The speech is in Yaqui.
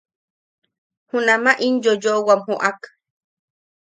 Junama in yoyoʼowam joʼak.